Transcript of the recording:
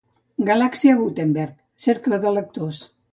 Galàxia Gutenberg-Cercle de Lectors.